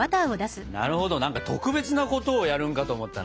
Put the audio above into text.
なるほど何か特別なことをやるんかと思ったな。